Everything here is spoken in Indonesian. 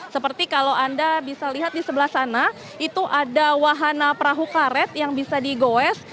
seperti kalau anda bisa lihat di sebelah sana itu ada wahana perahu karet yang bisa digoes